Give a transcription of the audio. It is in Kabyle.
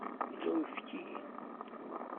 Yella uyefki?